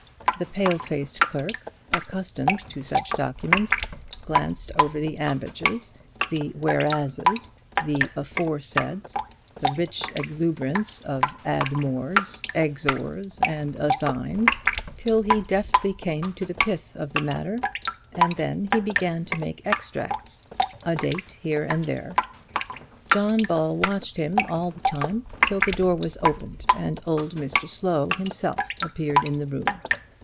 The pale faced clerk, accustomed to such documents, glanced over the ambages, the "whereases," the "aforesaids," the rich exuberance of "admors.," "exors.," and "assigns," till he deftly came to the pith of the matter, and then he began to make extracts, a date here and a date there. John Ball watched him all the time, till the door was opened, and old Mr Slow himself appeared in the room.